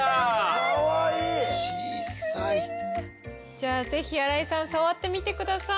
じゃあぜひ新井さん触ってみてください。